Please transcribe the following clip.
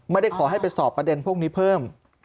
ไม่ได้ขอให้ไปสอบประเด็นพวกนี้เพิ่ม